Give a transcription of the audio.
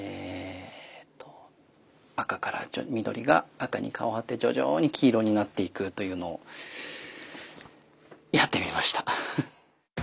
緑が赤に変わって徐々に黄色になっていくというのをやってみました！